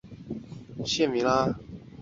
澜沧羌活是伞形科羌活属的植物。